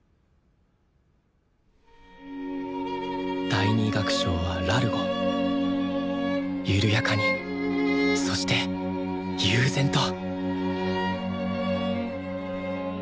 第２楽章はラルゴ「ゆるやかに」そして「悠然と」